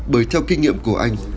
bởi theo kinh nghiệm của anh